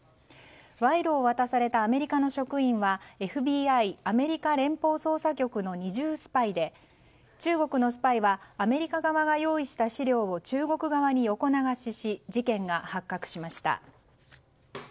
賄賂を渡されたアメリカの職員はＦＢＩ・アメリカ連邦捜査局の二重スパイで中国のスパイはアメリカ側が用意した資料を中国側に横流しし事件が発覚しました。